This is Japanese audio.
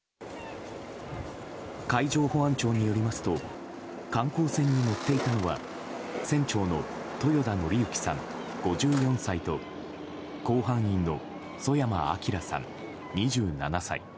海上保安庁によりますと観光船に乗っていたのは船長の豊田徳幸さん、５４歳と甲板員の曽山聖さん、２７歳。